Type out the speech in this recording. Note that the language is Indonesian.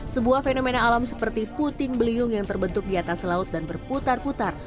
sebuah fenomena alam seperti puting beliung yang terbentuk di atas laut dan berputar putar